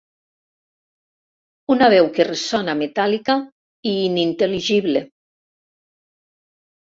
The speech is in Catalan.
Una veu que ressona metàl·lica i inintel·ligible...